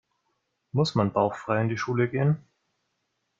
Muss man bauchfrei in die Schule gehen?